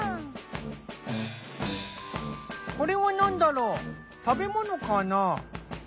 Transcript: これは何だろう食べ物かな？